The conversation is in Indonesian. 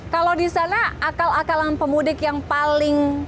kalau di sana akal akalan pemudik yang paling